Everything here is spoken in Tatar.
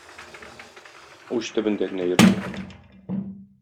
Уч төбендә генә йөртү.